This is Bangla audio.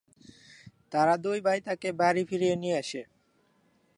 তারা দুই ভাই তাকে বাড়ি ফিরিয়ে নিয়ে আসে।